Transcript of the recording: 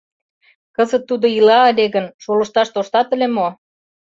Кызыт Тудо ила ыле гын, шолышташ тоштат ыле мо?